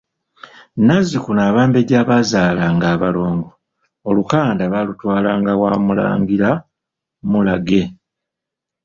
Nazikuno Abambejja abaazaalanga abalongo, olukanda baalutwalanga wa Mulangira Mulage.